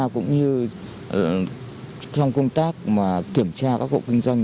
cũng như trong công tác kiểm tra các hộ kinh doanh